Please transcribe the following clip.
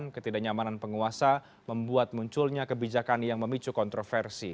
ketidaknyamanan penguasa membuat munculnya kebijakan yang memicu kontroversi